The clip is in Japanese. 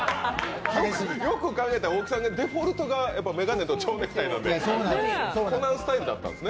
よく考えたら、大木さんのデフォルトが眼鏡と蝶ネクタイなんでコナンスタイルだったんですね。